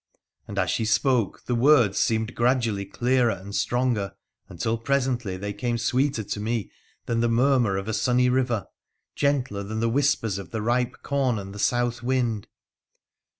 And as she spoke the words seemed gradually clearer and stronger, until presently they came sweeter to me than the murmur of a sunny river — gentler than the whispers of the ripe corn and the south wind.